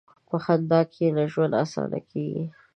په خندا کښېنه، ژوند اسانه کېږي.